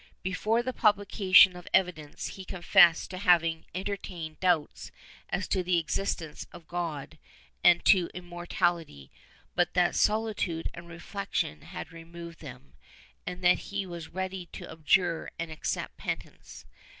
Before the publication of evidence he confessed to having entertained doubts as to the existence of God and as to immortality, but that solitude and reflection had removed them, and that he was ready to abjure and accept penance.